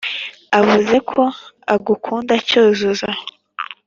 avuze ko agukunda cyuzuzo